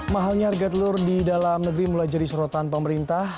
mahalnya harga telur di dalam negeri mulai jadi sorotan pemerintah